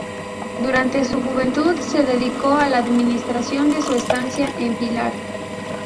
Durante su juventud se dedicó a la administración de su estancia en Pilar.